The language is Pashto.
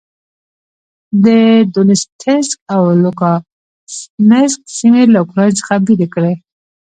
د دونیتسک او لوګانسک سیمې له اوکراین څخه بېلې کړې.